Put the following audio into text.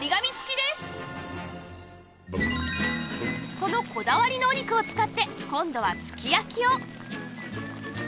そのこだわりのお肉を使って今度はすき焼きを！